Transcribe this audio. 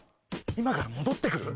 今から戻って来る？